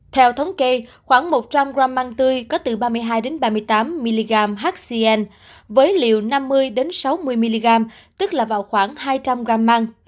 theo thống kê khoảng một trăm linh g măng tươi có từ ba mươi hai ba mươi tám mg hcn với liều năm mươi sáu mươi mg tức là vào khoảng hai trăm linh g măng